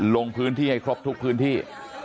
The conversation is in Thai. ลงพื้นที่ให้ครบทุกพื้นที่